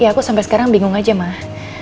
ya aku sampai sekarang bingung aja mah